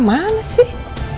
ini nanya kemana sih